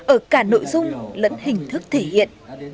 ở cả nội dung lẫn hình thức thể hiện